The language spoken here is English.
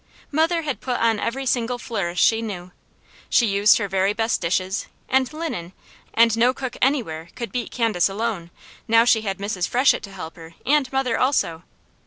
Mother had put on every single flourish she knew. She used her very best dishes, and linen, and no cook anywhere could beat Candace alone; now she had Mrs. Freshett to help her, and mother also.